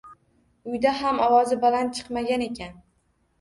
Uyda ham ovozi baland chiqmagan ekan.